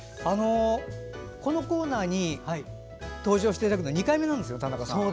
このコーナーに登場していただくのは２回目なんです、田中さん。